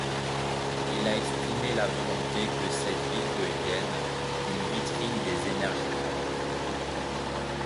Il a exprimé la volonté que cette ville devienne une vitrine des énergies propres.